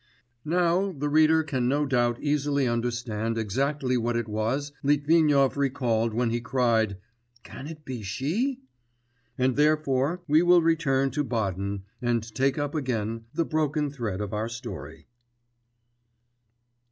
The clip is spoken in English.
Now, the reader can no doubt easily understand exactly what it was Litvinov recalled when he cried, 'Can it be she?' and therefore we will return to Baden and take up again the broken thread of our story.